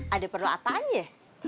ada perlu apa aja